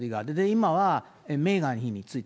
今はメーガンひについた。